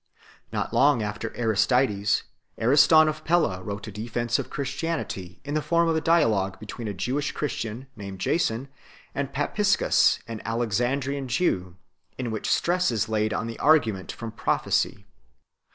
Not long after Aristides, Ariston of Pella 4 wrote a defence of Christianity, in the form of a dialogue between a Jewish Christian named Jason, and Papiscus, an Alexandrian Jew, in which stress was laid on the argument from pro phecy.